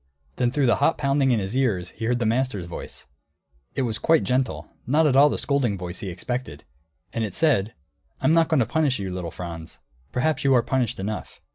Then through the hot pounding in his ears he heard the master's voice; it was quite gentle; not at all the scolding voice he expected. And it said, "I'm not going to punish you, little Franz. Perhaps you are punished enough.